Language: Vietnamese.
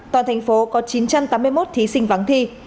toàn thành phố có chín trăm tám mươi một thí sinh